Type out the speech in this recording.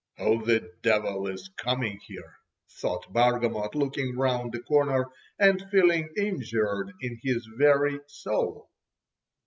"Who the devil is coming here?" thought Bargamot, looking round the corner and feeling injured in his very soul.